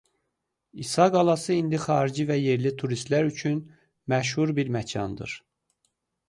İsa qalası indi xarici və yerli turistlər üçün məşhur bir məkandır.